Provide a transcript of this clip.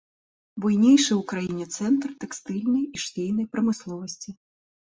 Буйнейшы ў краіне цэнтр тэкстыльнай і швейнай прамысловасці.